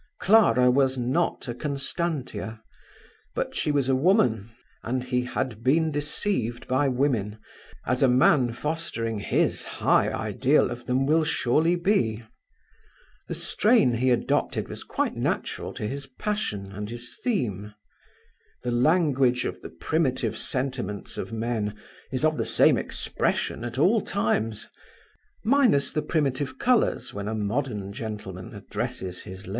Clara was not a Constantia. But she was a woman, and he had been deceived by women, as a man fostering his high ideal of them will surely be. The strain he adopted was quite natural to his passion and his theme. The language of the primitive sentiments of men is of the same expression at all times, minus the primitive colours when a modern gentleman addresses his lady.